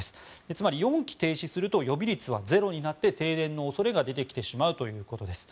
つまり、４基停止すると予備率はゼロになって停電の恐れが出てきてしまうということです。